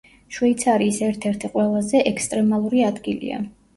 შვეიცარიის ერთ-ერთი ყველაზე ექსტრემალური ადგილია.